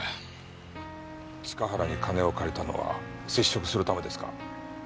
塚原に金を借りたのは接触するためですか？